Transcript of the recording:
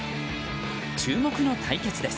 注目の対決です。